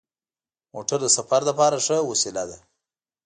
موټر د سفر لپاره ښه وسیله ده.